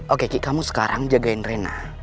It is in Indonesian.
oke kiki kamu sekarang jagain reina